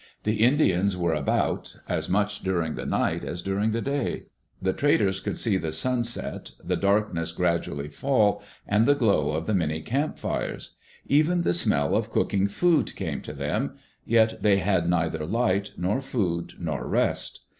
The Indians were about as much during the night as during die day. The traders could see the sun set, the darkness gradually fall, and the glow of the many campfires. Even the smell of cooking food came to them ; yet they had neidier light, nor food, nor rest.